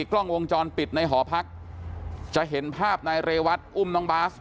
กล้องวงจรปิดในหอพักจะเห็นภาพนายเรวัตอุ้มน้องบาส